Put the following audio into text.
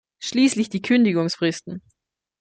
Schließlich die Kündigungsfristen.